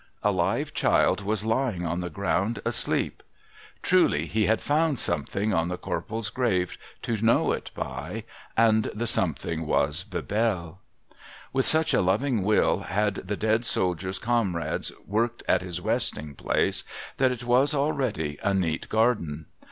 A live child was lying on the ground asleep. Truly he had found something on the Corporal's grave to know it by, and the something was Bebelle. "With such a loving will had the dead soldier's comrades worked at his resting place, that it Avas already a neat garden.